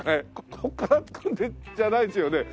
ここから突くんじゃないですよね？